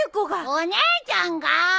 お姉ちゃんが！